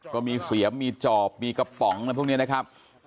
ก็มีเสียมมีจอบมีกระป๋องอะไรพวกนี้นะครับ